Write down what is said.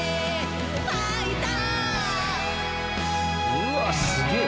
「うわっすげえ！